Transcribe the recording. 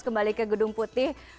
kembali ke gedung putih